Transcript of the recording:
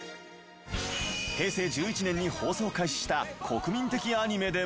平成１１年に放送開始した国民的アニメでも。